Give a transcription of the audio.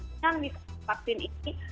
dengan vaksin ini